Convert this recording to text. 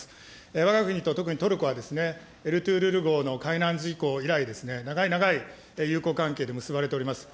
わが国と特にトルコは号の海難事故以来ですね、長い長い友好関係で結ばれております。